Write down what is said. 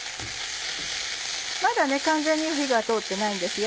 まだ完全には火が通ってないんですよ。